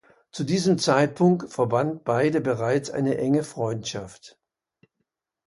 Zu diesem Zeitpunkt verband beide bereits eine enge Freundschaft.